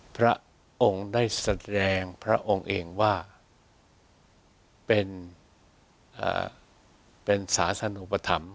พระองค์ได้แสดงพระองค์เองว่าเป็นศาสนุปธรรม